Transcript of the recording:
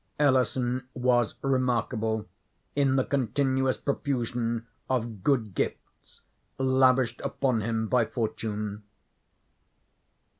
Ellison was remarkable in the continuous profusion of good gifts lavished upon him by fortune.